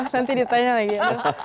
nanti ditanya lagi